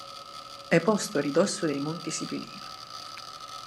È posto a ridosso dei Monti Sibillini.